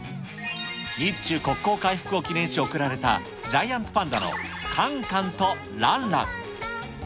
日中国交回復を記念し贈られた、ジャイアントパンダのカンカンとランラン。